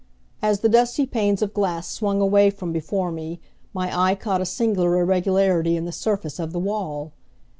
As the dusty panes of glass swung away from before me my eye caught a singular irregularity in the surface of the wall.